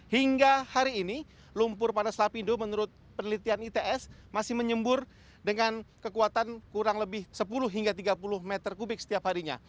hingga hari ini lumpur panas lapindo menurut penelitian its masih menyembur dengan kekuatan kurang lebih sepuluh hingga tiga puluh meter kubik setiap harinya